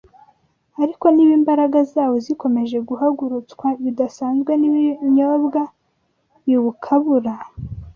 Ariko niba imbaraga zawo zikomeje guhagurutswa bidasanzwe n’ibinyobwa biwukabura,